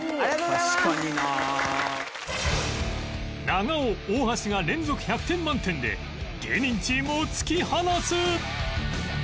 長尾大橋が連続１００点満点で芸人チームを突き放す！